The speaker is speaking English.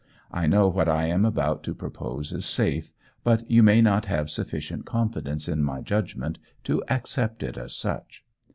I know what I am about to propose is safe, but you may not have sufficient confidence in my judgment to accept it as such.